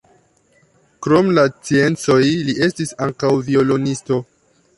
Krom la sciencoj li estis ankaŭ violonisto.